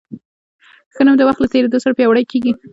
ښه نوم د وخت له تېرېدو سره پیاوړی کېږي.